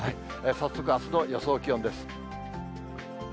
早速、あすの予想気温です。